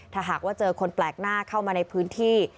ถ้าหากว่าเจอคนแปลกหน้าเข้ามาในพื้นที่